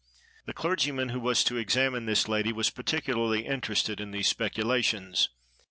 The clergyman who was to examine this lady was particularly interested in these speculations.